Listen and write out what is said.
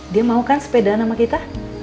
dia mau kan sepedaan sama kita